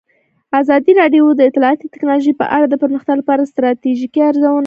ازادي راډیو د اطلاعاتی تکنالوژي په اړه د پرمختګ لپاره د ستراتیژۍ ارزونه کړې.